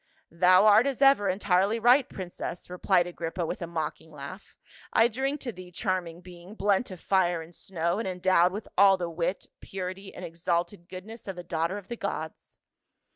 " Thou art as ever entirely right, princess," replied Agrippa with a mocking laugh. " I drink to thee, charming being, blent of fire and snow, and endowed with all the wit, purity, and exalted goodness of a daughter of the gods."